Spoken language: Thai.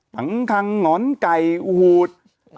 หังคังหงอนไก่หูหูด